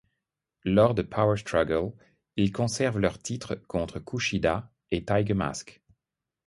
Lors de Power Struggle, ils conservent leur titres contre Kushida et Tiger Mask.